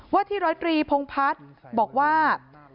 ที่ร้อยตรีพงพัฒน์บอกว่า